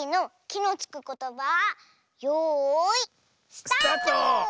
スタート！